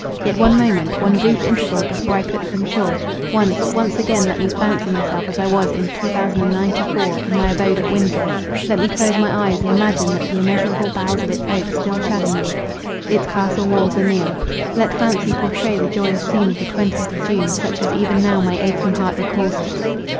Yet one moment, one brief interval before I put from shore— once, once again let me fancy myself as I was in 2094 in my abode at Windsor, let me close my eyes, and imagine that the immeasurable boughs of its oaks still shadow me, its castle walls anear. Let fancy pourtray the joyous scene of the twentieth of June, such as even now my aching heart recalls it.